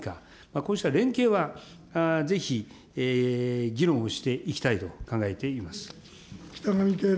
こうした連携はぜひ議論をしていきたいと考えています。